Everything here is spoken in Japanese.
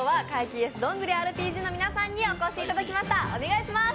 ＹｅｓどんぐりＲＰＧの皆さんにお越しいただきました。